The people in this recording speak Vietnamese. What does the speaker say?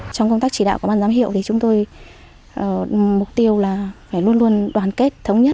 trong công tác chỉ đạo của ban giám hiệu thì chúng tôi mục tiêu là phải luôn luôn đoàn kết thống nhất